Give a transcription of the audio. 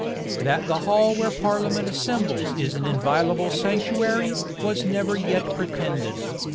That the hall where the parliament assembles is an inviolable sanctuary, was never yet pretended.